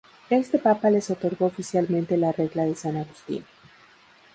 Este papa les otorgó oficialmente la Regla de San Agustín.